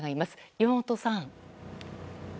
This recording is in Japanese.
岩本さん。